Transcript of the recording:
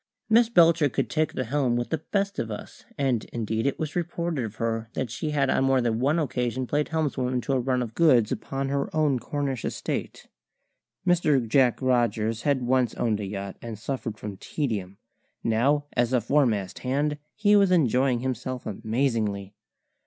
Miss Belcher could take the helm with the best of us, and indeed it was reported of her that she had on more than one occasion played helmswoman to a run of goods upon her own Cornish estate. Mr. Jack Rogers had once owned a yacht and suffered from tedium; now, as a foremast hand, he was enjoying himself amazingly.